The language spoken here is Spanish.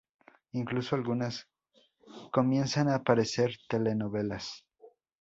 Incluso algunas comienzan a parecer telenovelas.